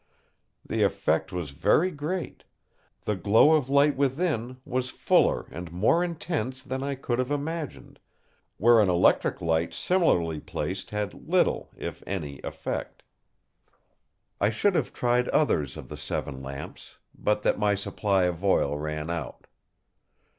The effect was very great; the glow of light within was fuller and more intense than I could have imagined, where an electric light similarly placed had little, if any, effect. I should have tried others of the seven lamps, but that my supply of oil ran out.